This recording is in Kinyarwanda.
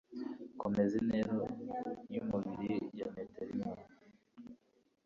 Komeza intera yumubiri ya metero imwe.